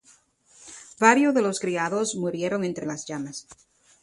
Varios de los criados murieron entre las llamas.